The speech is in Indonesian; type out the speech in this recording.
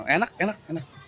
enak enak enak